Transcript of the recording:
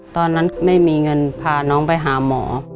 ตอนนั้นไม่มีเงินพาน้องไปหาหมอ